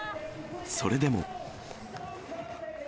それでも。